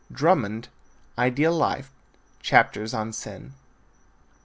Drummond, Ideal Life, Chaps. on Sin.